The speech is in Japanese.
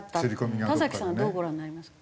田さんはどうご覧になりますか？